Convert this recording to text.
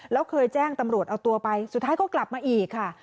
แล้วเคยแจ้งตำรวจเอาตัวไปสุดท้ายก็กลับมาอีกค่ะ